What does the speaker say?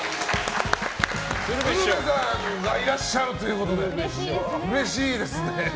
鶴瓶さんがいらっしゃるということでうれしいですね。